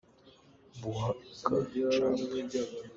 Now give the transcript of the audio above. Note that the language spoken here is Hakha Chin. Buh a ka chap.